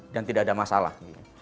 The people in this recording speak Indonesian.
dan tidak ada masalah